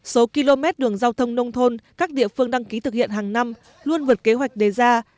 số km đường giao thông nông thôn các địa phương đăng ký thực hiện hàng năm luôn vượt kế hoạch đề ra